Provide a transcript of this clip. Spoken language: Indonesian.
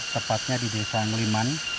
tepatnya di desa nguliman